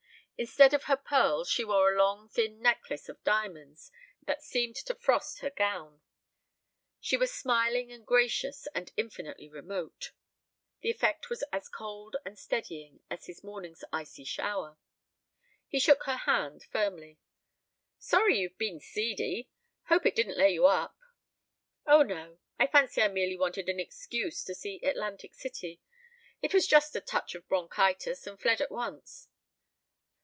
Instead of her pearls she wore a long thin necklace of diamonds that seemed to frost her gown. She was smiling and gracious and infinitely remote. The effect was as cold and steadying as his morning's icy shower. He shook her hand firmly. "Sorry you've been seedy. Hope it didn't lay you up." "Oh, no. I fancy I merely wanted an excuse to see Atlantic City. It was just a touch of bronchitis and fled at once."